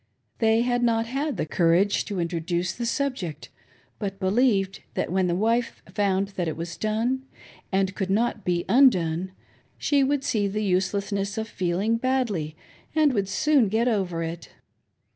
They had not had courage to intrbduce the subject, but believed that when the wife fbund that it was done and could' not be undone, she would see the usdessness of feeling badly, and Would soon get over it.